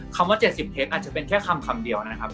ว่า๗๐เทปอาจจะเป็นแค่คำคำเดียวนะครับ